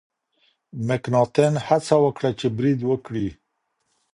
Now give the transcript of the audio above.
مکناتن هڅه وکړه چې برید وکړي.